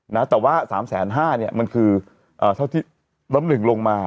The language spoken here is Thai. นะแต่ว่าสามแสนห้าเนี่ยมันคือเอ่อเท่าที่น้ำหนึ่งลงมา